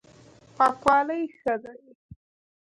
پاکوالی ښه دی.